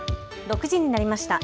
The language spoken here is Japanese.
６時になりました。